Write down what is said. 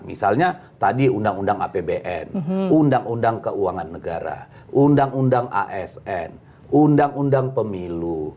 misalnya tadi undang undang apbn undang undang keuangan negara undang undang asn undang undang pemilu